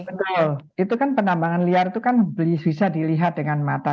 betul itu kan penambangan liar itu kan bisa dilihat dengan mata